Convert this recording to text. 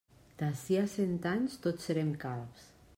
D'ací a cent anys tots serem calbs.